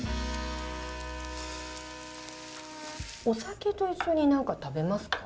お酒と一緒に何か食べますか？